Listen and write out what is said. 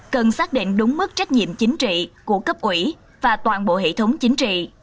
cần xác định đúng mức trách nhiệm chính trị của cấp ủy và toàn bộ hệ thống chính trị